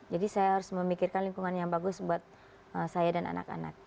jadi saya harus memikirkan lingkungan yang bagus buat saya dan anak anak